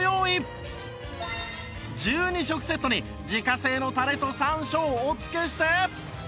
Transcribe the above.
１２食セットに自家製のタレと山椒をお付けして